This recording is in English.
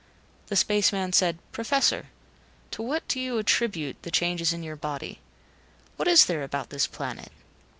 The space man said, "Professor to what do you attribute the changes in your body. What is there about this planet